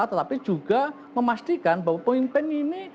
tetapi juga memastikan bahwa pemimpin ini